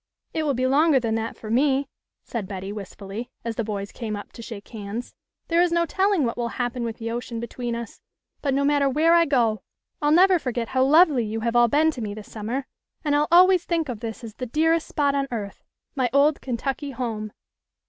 " It will be longer than that for me," said Betty, wistfully, as the boys came up to shake hands. " There is no telling what will happen with the ocean between us. But no matter where I go, I'll never forget how lovely you have all been to me this summer, and I'll always think of this as the dearest spot on earth, my old Kentucky home."